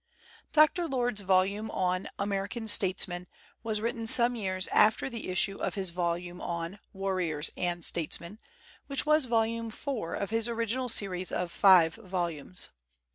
Dr. Lord's volume on "American Statesmen" was written some years after the issue of his volume on "Warriors and Statesmen," which was Volume IV of his original series of five volumes.